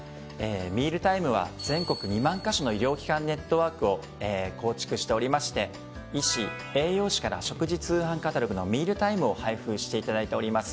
「ミールタイム」は全国２万カ所の医療機関ネットワークを構築しておりまして医師・栄養士から食事通販カタログの『ミールタイム』を配布していただいております。